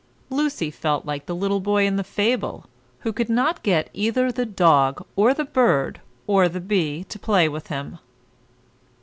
Lucy felt like the little boy in the fable, who could not get either the dog, or the bird, or the bee, to play with him.